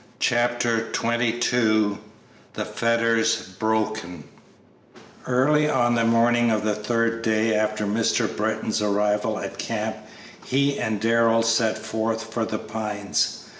Chapter XXII THE FETTERS BROKEN Early on the morning of the third day after Mr. Britton's arrival at camp he and Darrell set forth for The Pines.